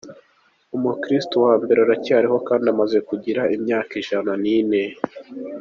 Umukiristu wa mbere aracyariho kandi amaze kugira imyaka Ijana Nine